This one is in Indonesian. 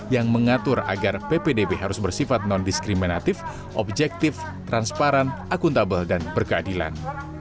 yang mengatur agar ppdb harus bersifat non diskriminatif objektif transparan akuntabel dan berkeadilan